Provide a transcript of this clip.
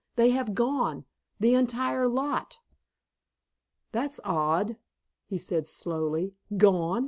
They have gone, the entire lot." "That's odd," he said slowly. "Gone!